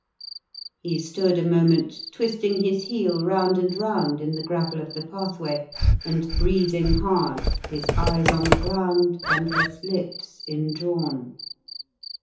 He stood a moment, twisting his heel round and round in the gravel of the pathway, and breathing hard, his eyes on the ground, and his lips indrawn.